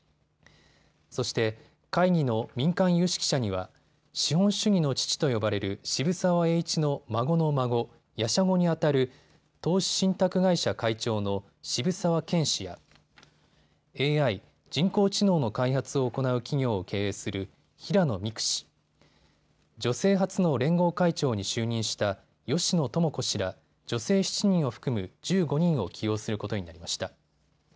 そして、会議の民間有識者には資本主義の父と呼ばれる渋沢栄一の孫の孫、やしゃごにあたる投資信託会社会長の渋沢健氏やＡＩ・人工知能の開発を行う企業を経営する平野未来氏、女性初の連合会長に就任した芳野友子氏ら、女性７人を含む１５人を起用することになりました。